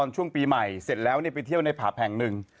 ช่วงปีใหม่เสร็จแล้วไปเที่ยวในผับแห่งหนึ่ง